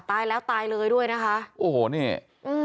ตายแล้วตายเลยด้วยนะคะโอ้โหนี่อืม